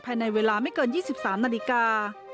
ภายในเวลาไม่เกิน๒๓นาฬิกา